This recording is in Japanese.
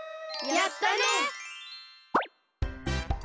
やったの！